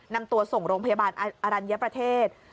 นำตัวส่งโรงพยาบาลอรัญญประเทศ